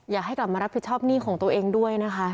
อยากให้กลับมารับผิดชอบหนี้ของตัวเองด้วยนะคะ